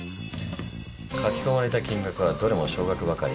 書き込まれた金額はどれも少額ばかり。